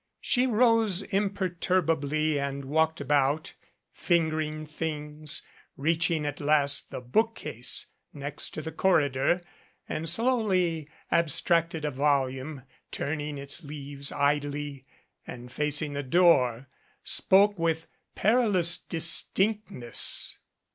She rose imperturbably and walked about, fingering things, reaching at last the book case next to the corridor, and slowly abstracted a volume, turning its leaves idly, and, facing the door, spoke with perilous dis tinctness.